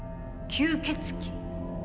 吸血鬼。